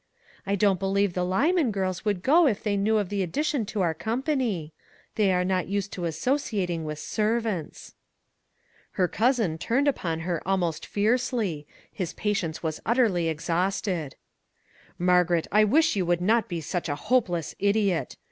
I don't believe the Lyman girls would go if they knew of the addition to our com pany; they are not used to associating with servants." Her cousin turned upon her almost fiercely; his patience was utterly exhausted. " Margaret, I wish you would not be such a hopeless idiot!